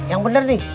yang bener nih